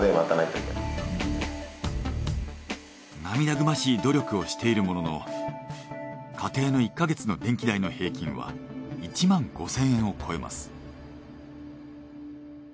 涙ぐましい努力をしているものの家庭の１か月の電気代の平均は１万５，０００円を超えます。